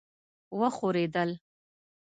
وښورېدل.